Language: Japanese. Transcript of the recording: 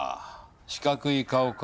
四角い顔か？